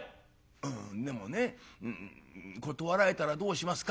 「うんでもね『断られたらどうしますか』って聞いたらね